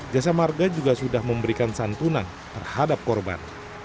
jasa marga juga sudah memberikan santunan terhadap korban